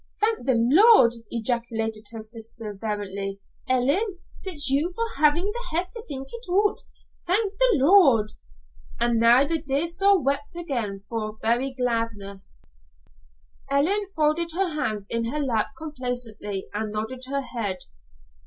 "Thank the Lord!" ejaculated her sister, fervently. "Ellen, it's you for havin' the head to think it oot, thank the Lord!" And now the dear soul wept again for very gladness. Ellen folded her hands in her lap complaisantly and nodded her head.